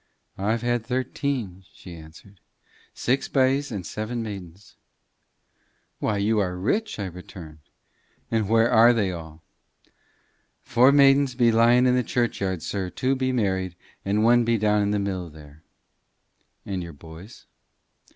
"I've had thirteen," she answered. "Six bys and seven maidens." "Why, you are rich!" I returned. "And where are they all?" "Four maidens be lying in the churchyard, sir; two be married, and one be down in the mill, there." "And your boys?"